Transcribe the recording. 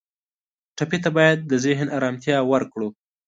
ټپي ته باید د ذهن آرامتیا ورکړو.